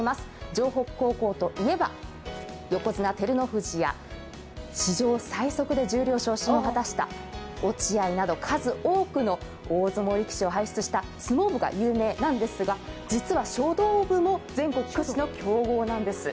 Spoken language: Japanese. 城北高校といえば横綱・照ノ富士や史上最速で十両昇進を果たした落合など、数多くの大相撲力士を輩出した相撲部が有名なんですが、実は書道部も全国屈指の強豪なんです。